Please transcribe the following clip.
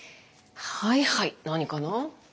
はいはい何かな？